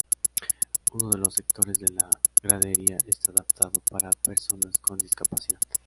Uno de los sectores de la gradería está adaptado para personas con discapacidad.